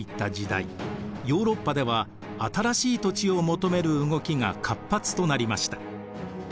ヨーロッパでは新しい土地を求める動きが活発となりました。